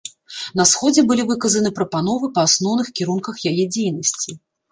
На сходзе былі выказаны прапановы па асноўных кірунках яе дзейнасці.